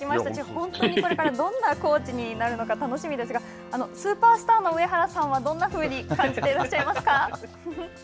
本当にこれからどんなコーチになるのか楽しみですがスーパースターの上原さんは、どんなふうに感じていらっしゃいますか。